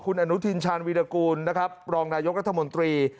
คุณอนุทินชาญวีรกูลนะครับรองนายกรัฐมนตรี